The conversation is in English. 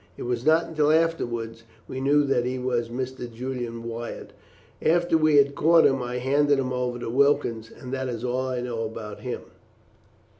It was not until afterwards we knew that he was Mr. Julian Wyatt. After we had caught him I handed him over to Wilkens, and that is all I know about him."